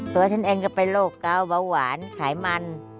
ตัวฉันเองก็เป็นโรคเก้าเบาหวานไขมัน